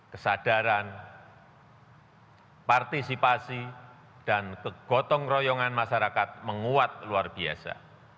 kesadaran partisipasi dan kegotong royongan masyarakat menguat luar biasa